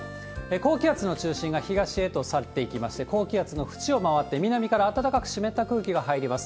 高気圧の中心が東へと去っていきまして、高気圧の縁を回って南から暖かく湿った空気が入ります。